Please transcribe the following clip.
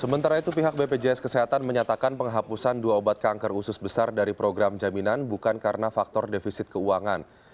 sementara itu pihak bpjs kesehatan menyatakan penghapusan dua obat kanker usus besar dari program jaminan bukan karena faktor defisit keuangan